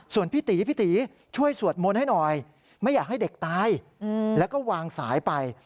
ส่วนพี่ตีพี่ตีช่วยสวดมนต์ให้หน่อยไม่อยากให้เด็กตายแล้วก็วางสายไป